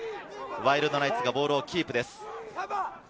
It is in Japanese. ワイルドナイツがボールをキープです。